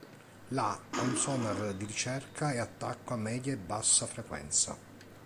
La ha un sonar di ricerca e attacco a media e bassa frequenza.